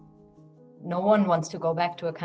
tidak ada yang ingin kembali ke negara